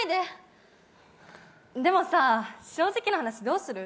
でもさ、正直な話、どうする？